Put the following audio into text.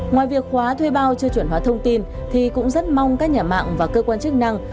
ngoài việc khóa thuê bao chưa chuẩn hóa thông tin thì cũng rất mong các nhà mạng và cơ quan chức năng